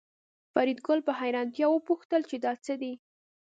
فریدګل په حیرانتیا وپوښتل چې دا څه دي